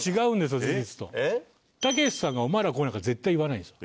たけしさんが「お前ら来い」なんか絶対言わないんですよ。